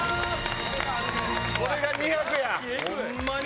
これが２００や！